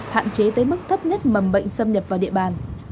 hạn chế tới mức thấp nhất mầm bệnh xâm nhập vào địa bàn